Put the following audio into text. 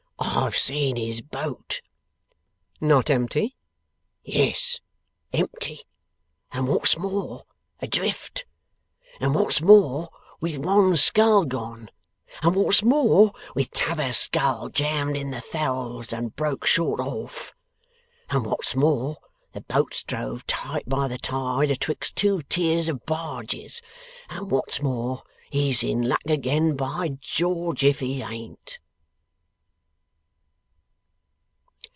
'I've seen his boat.' 'Not empty?' 'Yes, empty. And what's more, adrift. And what's more, with one scull gone. And what's more, with t'other scull jammed in the thowels and broke short off. And what's more, the boat's drove tight by the tide 'atwixt two tiers of barges. And what's more, he's in luck again, by George if he ain't!